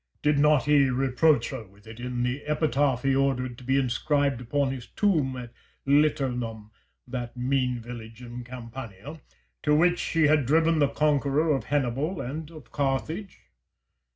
Did not he reproach her with it in the epitaph he ordered to be inscribed upon his tomb at Liternum, that mean village in Campania, to which she had driven the conqueror of Hannibal and of Carthage?